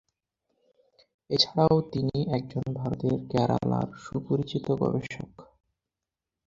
এছাড়াও তিনি একজন ভারতের কেরালার সুপরিচিত গবেষক।